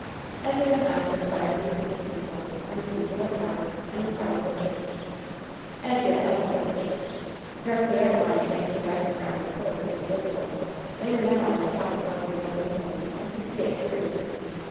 As they went on, the spire became a steeple, and the steeple a tower, and the tower a church. As yet nothing but the church — darkly outlined against the background of hills — ^was visible. They were now on the top of one of the rolling hills, and could see it clearly.